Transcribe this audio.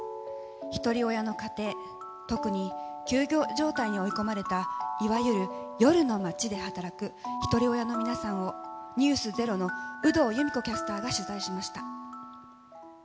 ひとり親の家庭、特に休業状態に追い込まれたいわゆる夜の街で働くひとり親の皆さんを、ｎｅｗｓｚｅｒｏの有働由美子キャスターが取材しました。